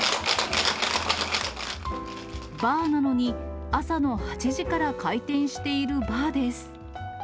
バーなのに、朝の８時から開店しているバーです。